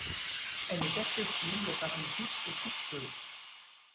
Elle est accessible par une piste coupe-feu.